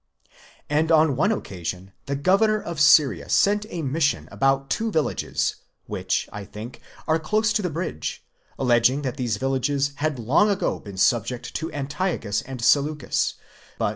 And on one occasion the governor of Syria sent a mission about two villages, which, I think, are close to the Bridge, alleging that these villages had long ago been subject to Antiochus and Seleucus, but.